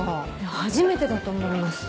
初めてだと思います。